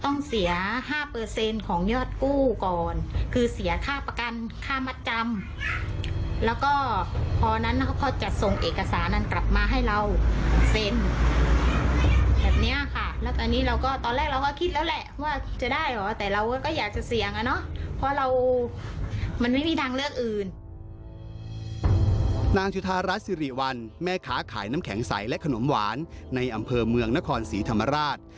นางจุธารัฐสิริวัลแม่ค้าขายน้ำแข็งใสและขนมหวานในอำเภอเมืองนครศรีธรรมราช